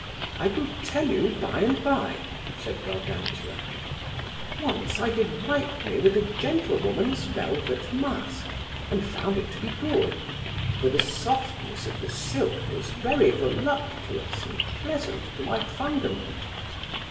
I will tell you by and by, said Gargantua. Once I did wipe me with a gentle woman's velvet mask, and found it to be good; for the softness of the silk was very voluptuous and pleasant to my fundament.